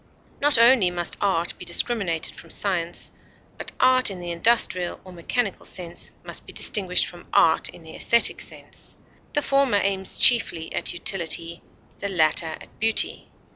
Not only must art be discriminated from science, but art in the industrial or mechanical sense must be distinguished from art in the esthetic sense; the former aims chiefly at utility, the latter at beauty.